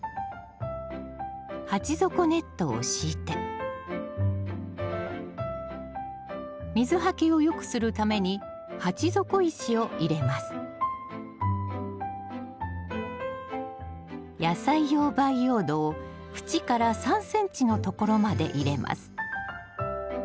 鉢底ネットを敷いて水はけを良くするために鉢底石を入れます野菜用培養土を縁から３ｃｍのところまで入れます。